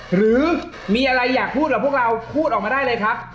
หรือมีอะไรอยากพูดกับพวกเราพูดออกมาได้เลยครับ